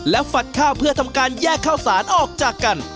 และฝัดข้าวเพื่อทำการแยกข้าวสารออกจากกัน